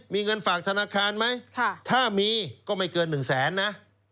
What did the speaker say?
มีเงินฝากธนาคารไหมถ้ามีก็ไม่เกิน๑แสนนะ